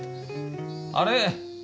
あれ？